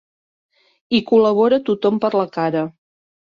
Hi col·labora tothom per la cara.